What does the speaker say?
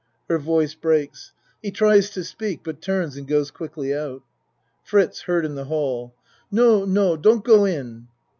(Her voice breaks. He tries to speak, but turns and goes quickly out.) FRITZ (Heard in the hall.) No, no, don't go in.